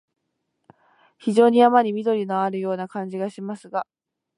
非常に山に縁のあるような感じがしますが、